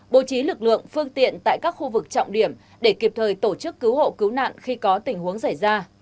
bố trí lực lượng phương tiện tại các khu vực trọng điểm để kịp thời tổ chức cứu hộ cứu nạn khi có tình huống xảy ra